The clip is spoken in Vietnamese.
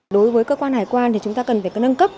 đối với cơ quan hải quan thì chúng ta cần phải nâng cấp